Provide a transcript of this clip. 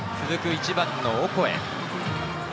１番のオコエ。